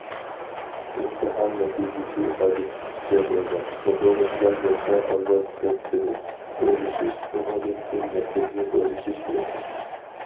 ئىمتىھان نەتىجىسى ئادەتتىكىچە بولغان ئوقۇغۇچىلار بولسا ئاۋۋال كەسىپنى ئويلىشىش، ئۇنىڭدىن كېيىن مەكتەپنى ئويلىشىش كېرەك.